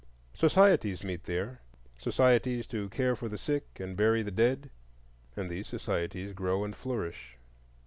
Societies meet there,—societies "to care for the sick and bury the dead"; and these societies grow and flourish.